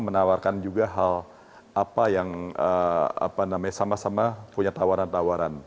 menawarkan juga hal apa yang sama sama punya tawaran tawaran